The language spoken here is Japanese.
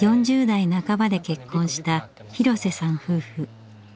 ４０代半ばで結婚した廣瀬さん夫婦。